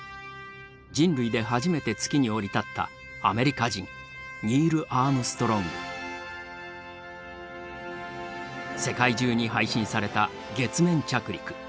人類で初めて月に降り立ったアメリカ人世界中に配信された月面着陸。